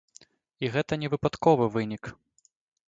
І гэта не выпадковы вынік.